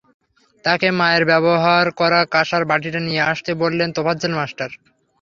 তাকে মায়ের ব্যবহার করা কাঁসার বাটিটা নিয়ে আসতে বললেন তোফাজ্জল মাস্টার।